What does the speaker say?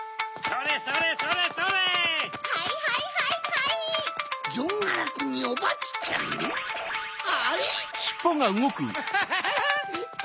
それそれそれそれ！